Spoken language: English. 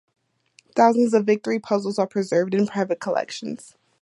Thousands of Victory puzzles are preserved in private collections.